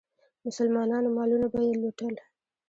مسلمانانو مالونه به یې لوټل.